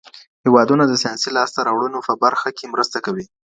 هیوادونه د ساینسي لاسته راوړنو په برخه کي مرسته کوي.